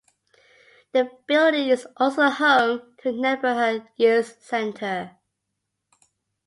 The building is also home to a neighborhood youth center.